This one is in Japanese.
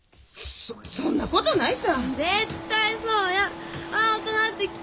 そそんなことないさ。